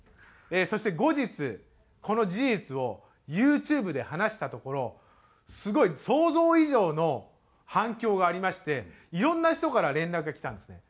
そして後日この事実をユーチューブで話したところすごい想像以上の反響がありましていろんな人から連絡が来たんですね。